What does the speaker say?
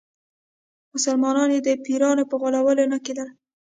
مسلمانانو یې د پیرانو په غولولو نه کېدل.